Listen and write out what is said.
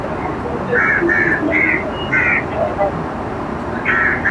vitisho na hatari kwa maisha yao